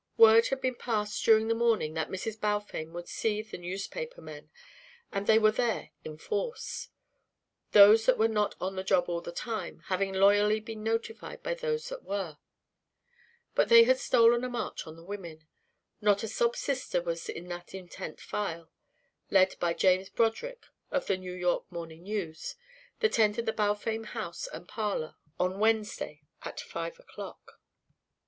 Word had been passed during the morning that Mrs. Balfame would see the newspaper men, and they were there in force; those that were not "on the job all the time" having loyally been notified by those that were. But they had stolen a march on the women. Not a "sob sister" was in that intent file, led by James Broderick of The New York Morning News, that entered the Balfame house and parlour on Wednesday at five o'clock.